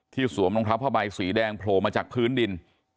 ที่สวมน้องท้าพระบัยสีแดงโผล่มาจากพื้นดิน